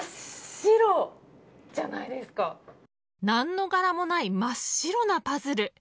何の柄もない真っ白なパズル。